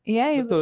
iya ya betul